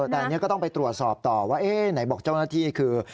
แต่อันนี้ก็ต้องไปตรวจสอบต่อว่าเอ๊ะไหนบอกเจ้าหน้าที่คือ